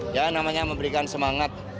ya namanya memberikan semangat